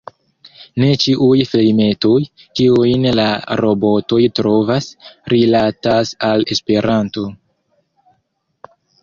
Ne ĉiuj filmetoj, kiujn la robotoj trovas, rilatas al Esperanto.